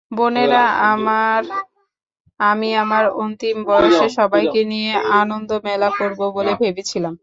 বোনেরা আমার, আমি আমার অন্তিম বয়সে সবাইকে নিয়ে আনন্দমেলা করব বলে ভেবেছিলাম।